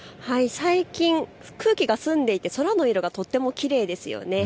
最近、空気が澄んでいて空の色がとてもきれいですよね。